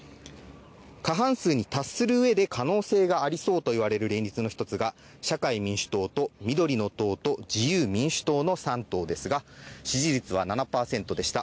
過半数に達するうえで可能性かありそうといわれる連立じゃ社会民主党と、緑の党と自由民主党の３党ですが７％でした。